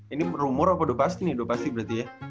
ini rumor apa udah pasti nih udah pasti berarti ya